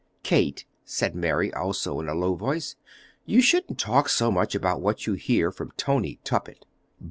"Kate," said Mary, also in a low voice, "you shouldn't talk so much about what you hear from Tony Tuppett."